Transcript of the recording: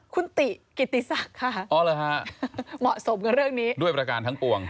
คุณติกิติศักดิ์ค่ะอ๋อเหรอฮะเหมาะสมกับเรื่องนี้ด้วยประการทั้งปวง